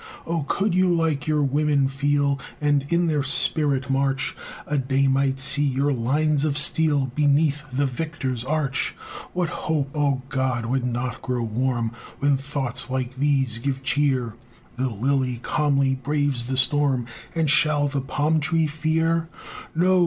Oh, could you like your women feel, And in their spirit march, A day might see your lines of steel Beneath the victor's arch! What hope, O God! would not grow warm When thoughts like these give cheer? The lily calmly braves the storm, And shall the palm tree fear? No!